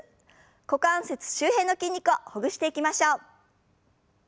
股関節周辺の筋肉をほぐしていきましょう。